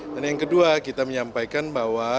dan yang kedua kita menyampaikan bahwa